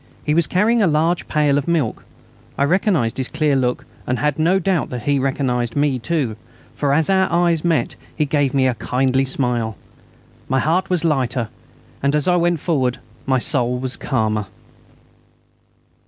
He was carrying a large pail of milk. I recognised his clear look, and had no doubt that he recognised me too, for as our eyes met he gave me a kindly smile. My heart was lighter as I went forward, and my soul was calmer.